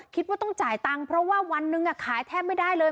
คิดว่าต้องจ่ายตังค์เพราะว่าวันหนึ่งขายแทบไม่ได้เลย